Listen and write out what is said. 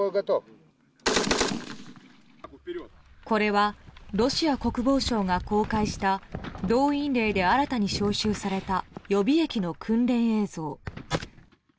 これはロシア国防省が公開した動員令で新たに招集された予備役の訓練映像。